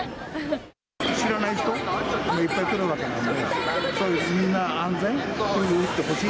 知らない人もいっぱい来るわけなんで、みんな、安全。